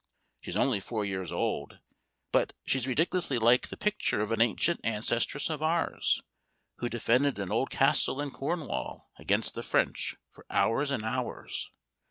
She's only four years old, but she's ridiculously like the picture of an ancient ancestress of ours Who defended an old castle in Cornwall, against the French, for hours and hours.